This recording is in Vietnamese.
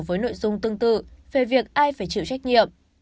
với nội dung tương tự về việc ai phải chịu trách nhiệm